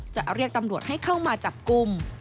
จะเรียกตำรวจให้เข้ามาจับกลุ่ม